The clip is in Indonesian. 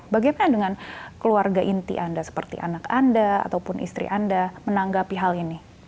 bagaimana dengan keluarga inti anda seperti anak anda ataupun istri anda menanggapi hal ini